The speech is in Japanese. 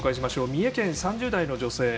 三重県、３０代の女性。